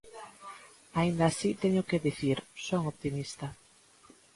Aínda así teño que dicir son optimista.